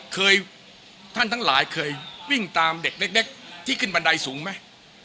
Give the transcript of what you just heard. ท่านทั้งหลายเคยวิ่งตามเด็กเล็กที่ขึ้นบันไดสูงไหม